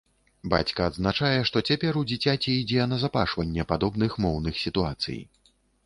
Бацька адзначае, што цяпер у дзіцяці ідзе назапашванне падобных моўных сітуацый.